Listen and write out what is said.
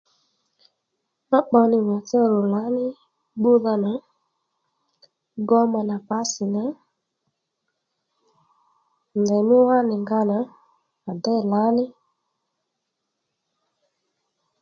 Ma pbò nì matsá ru lǎní gbúdha nà gómànà pǎsi nà ndèymí wánì nga nà à déy lǎní